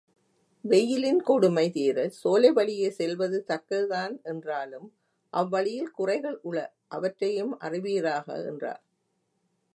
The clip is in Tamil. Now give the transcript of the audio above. வெய்யிலின் கொடுமை தீரச் சோலை வழியே செல்வது தக்கதுதான் என்றாலும் அவ்வழியில் குறைகள் உள அவற்றையும் அறிவீராக என்றார்.